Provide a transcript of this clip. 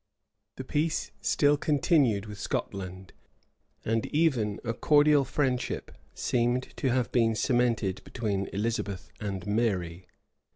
The peace still continued with Scotland and even a cordial friendship seemed to have been cemented between Elizabeth and Mary.